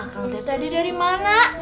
akang teh tadi dari mana